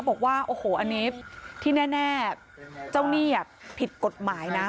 บอกว่าโอ้โหอันนี้ที่แน่เจ้าหนี้ผิดกฎหมายนะ